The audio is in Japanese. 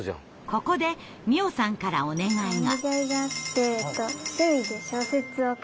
ここで美音さんからお願いが。